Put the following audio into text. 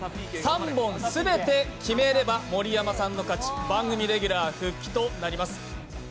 ３本全て決めれば盛山さんの勝ち、番組レギュラー復帰となります。